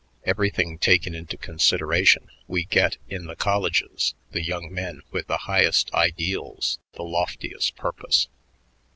Everything taken into consideration, we get in the colleges the young men with the highest ideals, the loftiest purpose."